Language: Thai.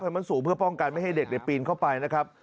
มันสูงเพื่อป้องกันไม่ให้เด็กปีนเข้าไปนะครับ